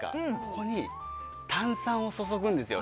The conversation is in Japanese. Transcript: ここに炭酸を注ぐんですよ。